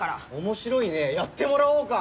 面白いねやってもらおうか！